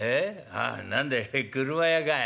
ああ何だい俥屋かい。